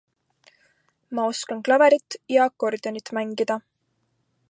Ma oskan klaverit ja akordionit mängida.